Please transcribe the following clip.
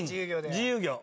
自由業。